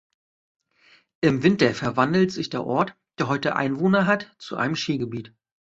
Im Winter verwandelt sich der Ort, der heute Einwohner hat, zu einem Skigebiet.